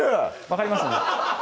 分かりますよね